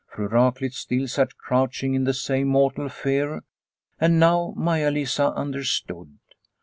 Fru Raklitz still sat crouch ing in the same mortal fear and now Maia Lisa understood.